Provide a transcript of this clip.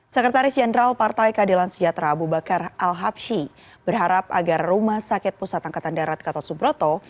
sekretaris jenderal partai keadilan sejahtera abu bakar al habshi berharap agar rumah sakit pusat angkatan darat gatot subroto